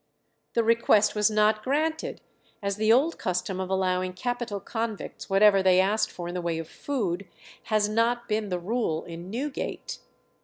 The request was not granted, as the old custom of allowing capital convicts whatever they asked for in the way of food has not been the rule in Newgate.